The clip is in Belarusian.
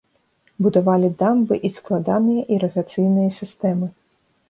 Будавалі дамбы і складаныя ірыгацыйныя сістэмы.